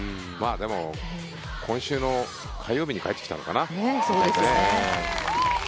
でも、今週の火曜日に帰ってきたのかな。